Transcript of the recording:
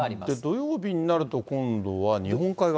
土曜日になると、今度は日本海側？